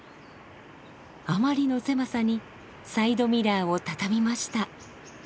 あまりの狭さにサイドミラーを畳みました。